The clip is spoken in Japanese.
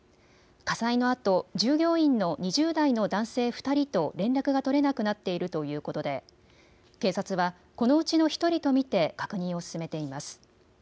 火災のあと従業員の２０代の男性２人と連絡が取れなくなっているということで警察はこのうちの１人と見て確認を進めています。